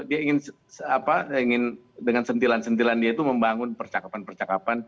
dia ingin dengan sentilan sentilan dia itu membangun percakapan percakapan